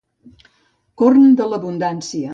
Corn de l'abundància.